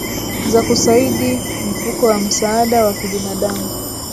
za kusaidi mfuko wa msaada wa kibinadamu